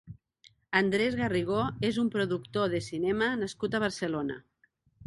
Andrés Garrigó és un productor de cinema nascut a Barcelona.